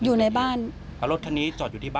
อยู่ในบ้านอ่ารถคันนี้จอดอยู่ที่บ้าน